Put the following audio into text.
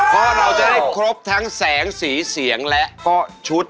เพราะเราจะได้ครบทั้งแสงสีเสียงและก็ชุด